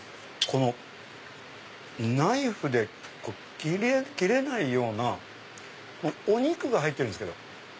このナイフで切れないようなお肉が入ってるんですけど。